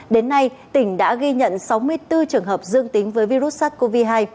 đến nay tỉnh đã ghi nhận sáu mươi bốn trường hợp dương tính với virus sars cov hai